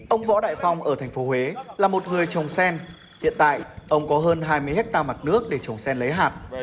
ông võ đại phong ở thành phố huế là một người trồng sen hiện tại ông có hơn hai mươi hectare mặt nước để trồng sen lấy hạt